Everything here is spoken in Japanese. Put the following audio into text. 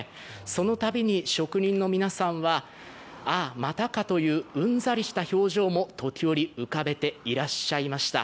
そのたびに職人の皆さんは、ああ、またかといううんざりした表情も時折浮かべていらっしゃいました。